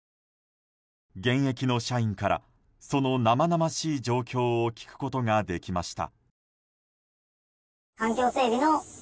現役の社員からその生々しい状況を聞くことができました。